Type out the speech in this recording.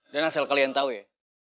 asal kalian tahu ya